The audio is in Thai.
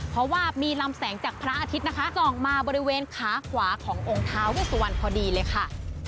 เพราะว่ามีลำแสงจากพระอาทิตย์นะคะส่องมาบริเวณขาขวาขององค์ท้าเวสวันพอดีเลยค่ะ